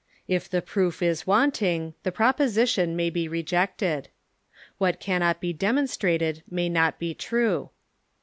If the proof is wanting, the proposition may be reject ed. What cannot be demonstrated may not be true.